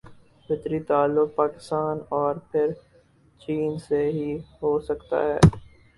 فطری تعلق پاکستان اور پھر چین سے ہی ہو سکتا ہے۔